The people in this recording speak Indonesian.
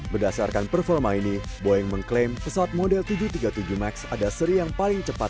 berdasarkan performa ini boeing mengklaim pesawat model tujuh ratus tiga puluh tujuh max ada seri yang paling cepat